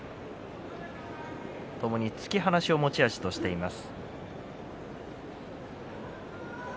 ともに突き放しを持ち味としています。